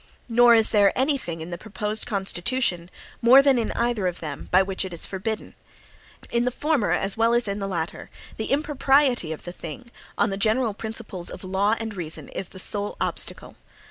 Nor is there any thing in the proposed Constitution, more than in either of them, by which it is forbidden. In the former, as well as in the latter, the impropriety of the thing, on the general principles of law and reason, is the sole obstacle.